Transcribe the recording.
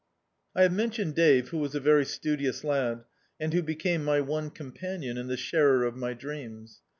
I have mentioned Dave, who was a very studious lad, and who became my one companion and the sharer of my dreams.